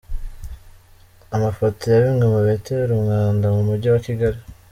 Amafoto ya bimwe mu bitera umwanda mu Mujyi wa Kigali